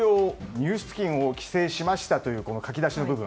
入出金を規制させていただきました」というこの書き出しの部分